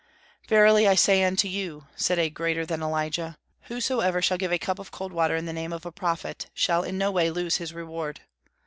"Verily, I say unto you," said a greater than Elijah, "whosoever shall give a cup of cold water in the name of a prophet, shall in no way lose his reward."